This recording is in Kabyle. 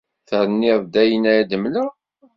Terniḍ-d ayen ay d-mleɣ?